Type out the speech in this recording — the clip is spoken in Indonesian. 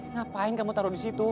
ngapain kamu taruh di situ